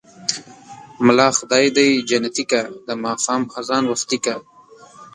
ملا خداى دى جنتې که ـ د ماښام ازان وختې که.